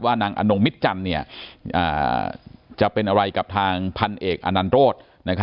ว่านางอนุมิทจัณฑ์จะเป็นอะไรกับทางพันเอกอานันโตรด